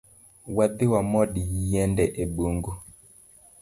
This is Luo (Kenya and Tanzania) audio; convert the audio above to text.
Wadhii wamod yiende e bung’u